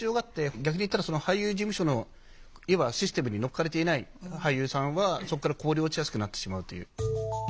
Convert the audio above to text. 逆に言ったら俳優事務所のいわばシステムに乗っかれていない俳優さんはそこからこぼれ落ちやすくなってしまうっていう。